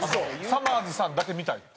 さまぁずさんだけ見たいって。